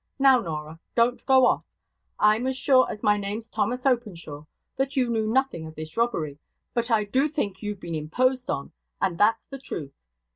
Now, Norah! Don't go off. I'm as sure as my name's Thomas Openshaw that you knew nothing of this robbery. But I do think you've been imposed on, and that's the truth.